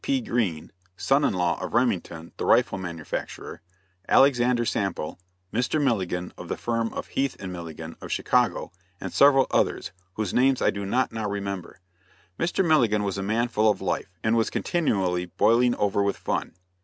P. Green, son in law of Remington, the rifle manufacturer, Alexander Sample, Mr. Milligan, of the firm of Heath & Milligan, of Chicago, and several others, whose names I do not now remember. Mr. Milligan was a man full of life, and was continually "boiling over with fun."